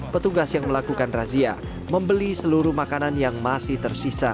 petugas yang melakukan razia membeli seluruh makanan yang masih tersisa